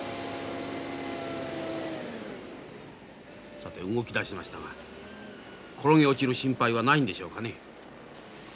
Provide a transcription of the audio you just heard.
さて動き出しましたが転げ落ちる心配はないんでしょうかね。